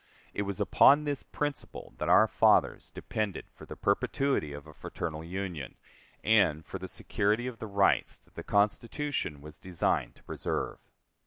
It was upon this principle that our fathers depended for the perpetuity of a fraternal Union, and for the security of the rights that the Constitution was designed to preserve.